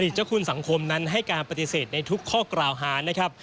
เจ้าคุณสังคมนั้นให้การปฏิเสธในทุกข้อกล่าวหานะครับ